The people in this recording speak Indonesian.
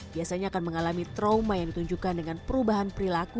biasanya akan mengalami trauma yang ditunjukkan dengan perubahan perilaku